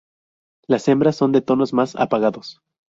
Las hembras son de tonos más apagados.